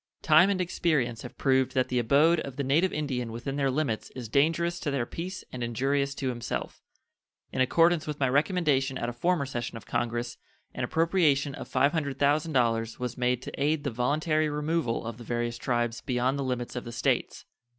Time and experience have proved that the abode of the native Indian within their limits is dangerous to their peace and injurious to himself. In accordance with my recommendation at a former session of Congress, an appropriation of $500 thousand was made to aid the voluntary removal of the various tribes beyond the limits of the States.